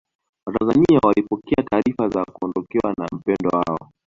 watanzania walipokea taarifa za kuondokewa na mpendwa wao